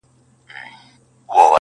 زړه مي ورېږدېدی.